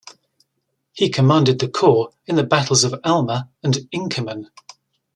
He commanded the corps in the battles of Alma and Inkerman.